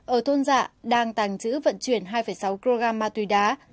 ở thôn dạ đang tành chữ vận chuyển hai sáu kg ma túy đá